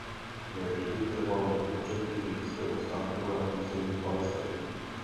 Ne vždy trval na vytvoření židovského státu na území Palestiny.